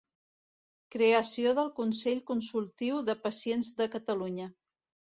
Creació del Consell Consultiu de Pacients de Catalunya.